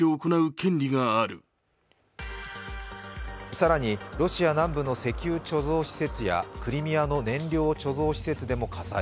更にロシア南部の石油貯蔵施設やクリミアの燃料貯蔵施設でも火災。